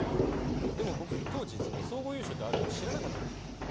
でも当時、総合優勝があるの知らなかったんですよ。